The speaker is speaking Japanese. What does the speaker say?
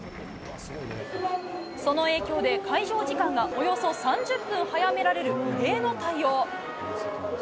その影響で、開場時間がおよそ３０分早められる異例の対応。